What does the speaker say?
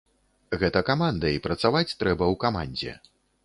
Гэта каманда і працаваць трэба ў камандзе.